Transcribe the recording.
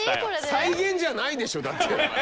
再現じゃないでしょだって。